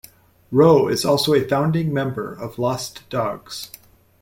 Roe is also a founding member of Lost Dogs.